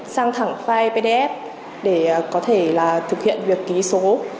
sang thẳng file pdf để có thể là thực hiện việc ký số